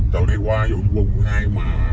từ đây qua vô vùng ai mà